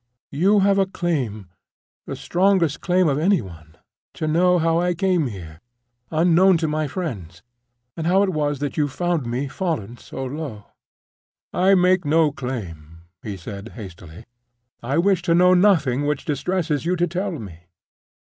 You have a claim—the strongest claim of any one—to know how I came here, unknown to my friends, and how it was that you found me fallen so low." "I make no claim," he said, hastily. "I wish to know nothing which distresses you to tell me."